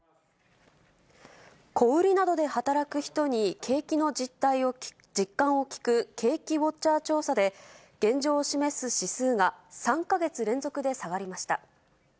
小売りなどで働く人に景気の実感を聞く景気ウォッチャー調査で、現状を示す指数が３か月連続で下がりました。